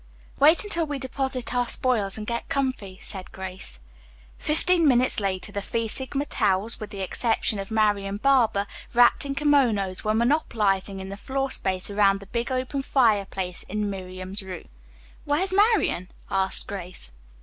"Wait until we deposit our spoils and get comfy," said Grace. Fifteen minutes later the Phi Sigma Taus, with the exception of Marian Barber, wrapped in kimonos, were monopolizing the floor space around the big open fireplace in Miriam's room. "Where's Marian?" asked Grace.